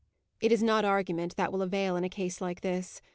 It is not argument that will avail in a case like this.